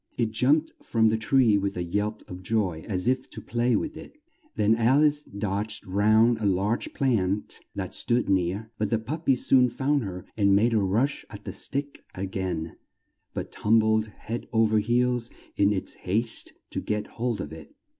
It jumped from the tree with a yelp of joy as if to play with it; then Al ice dodged round a large plant that stood near, but the pup py soon found her and made a rush at the stick a gain, but tum bled head o ver heels in its haste to get hold of it.